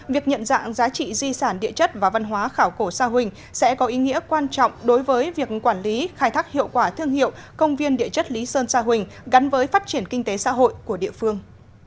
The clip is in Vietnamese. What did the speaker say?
việc nhận dạng giá trị di sản địa chất và văn hóa khảo cổ sa huỳnh sẽ có ý nghĩa quan trọng đối với việc quản lý khai thác hiệu quả thương hiệu công viên địa chất lý sơn sa huỳnh gắn với phát triển kinh tế xã hội của địa phương